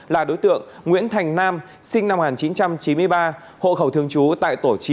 là đối tượng nguyễn thành nam sinh năm một nghìn chín trăm chín mươi ba hộ khẩu thường trú tại tổ chín